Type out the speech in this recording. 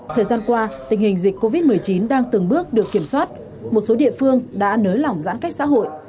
thời gian qua tình hình dịch covid một mươi chín đang từng bước được kiểm soát một số địa phương đã nới lỏng giãn cách xã hội